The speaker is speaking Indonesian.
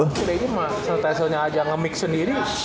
aku kira ini mah sanitizernya aja ngemiksun diri